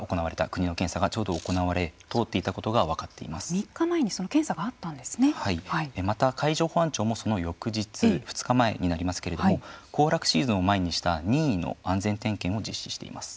国の検査がちょうど行われ通っていたことが３日前にまた、海上保安庁もその翌日２日前になりますけれども行楽シーズンを前にした任意の安全点検を実施しています。